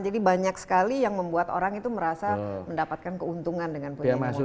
jadi banyak sekali yang membuat orang itu merasa mendapatkan keuntungan dengan punya mobil listrik